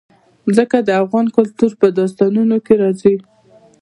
ځمکه د افغان کلتور په داستانونو کې راځي.